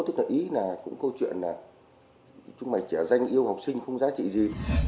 trẻ danh yêu học sinh không giá trị gì